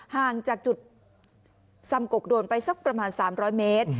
ห่างจากจุดซำกกโดนไปสักประมาณ๓๐๐เมตร